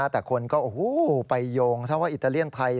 แต่คนก็ไปโยงซะว่าอิตาเลียนไทย